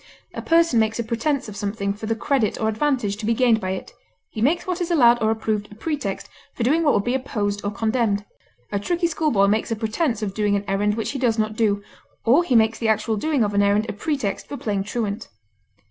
A person makes a pretense of something for the credit or advantage to be gained by it; he makes what is allowed or approved a pretext for doing what would be opposed or condemned; a tricky schoolboy makes a pretense of doing an errand which he does not do, or he makes the actual doing of an errand a pretext for playing truant.